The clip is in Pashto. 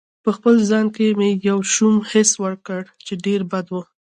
په خپل ځان کې مې یو شوم حس وکړ چې ډېر بد و.